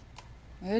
えっ？